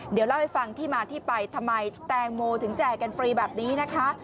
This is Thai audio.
เดี๋ยวเล่าให้ฟังที่มาที่ไปทำไมแตงโมถึงแจกกันฟรีแบบนี้นะคะ